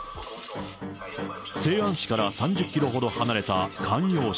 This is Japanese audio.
西安市から３０キロほど離れた咸陽